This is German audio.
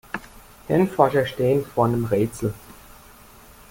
Hirnforscher stehen vor einem Rätsel.